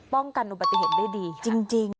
กันอุบัติเหตุได้ดีจริง